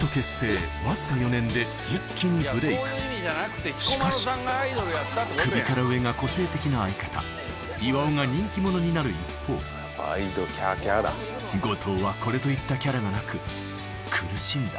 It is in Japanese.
フットしかし首から上が個性的な相方岩尾が人気者になる一方後藤はこれといったキャラがなく苦しんだ